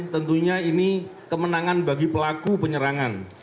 tentunya ini kemenangan bagi pelaku penyerangan